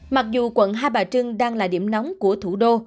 mặc dù quận hai bà trưng đang là điểm nóng của thủ đô